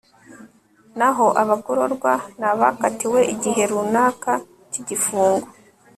naho abagororwa ni abakatiwe igihe runaka k'igifungo